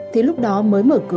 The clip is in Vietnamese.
thì lúc đó mới mở cửa